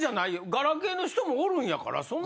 ガラケーの人もおるんやからそんな。